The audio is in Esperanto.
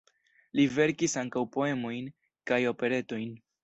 Li verkis ankaŭ poemojn kaj operetojn.